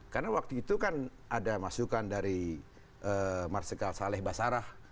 karena waktu itu kan ada masukan dari marsikal saleh basarah